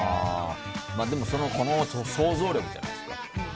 でも、その子の想像力じゃないですか。